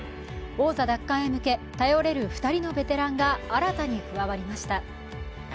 王座奪還へ向け頼れる２人のベテランが新たに加わりました。